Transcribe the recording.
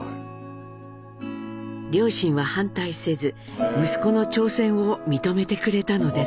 両親は反対せず息子の挑戦を認めてくれたのです。